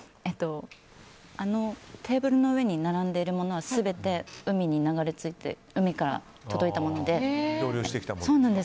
あのテーブルの上に並んでいるものは全て海に流れ着いて海から届いたもので。